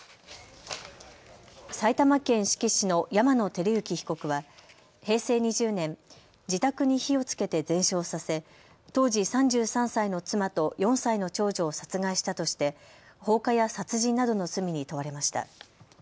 埼玉県志木市の山野輝之被告は平成２０年、自宅に火をつけて全焼させ当時３３歳の妻と４歳の長女を殺害したとして放火や殺人などの罪に問われました。